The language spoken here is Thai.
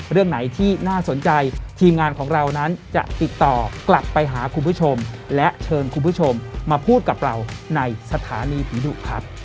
เรื่องไหนที่น่าสนใจทีมงานของเรานั้นจะติดต่อกลับไปหาคุณผู้ชมและเชิญคุณผู้ชมมาพูดกับเราในสถานีผีดุครับ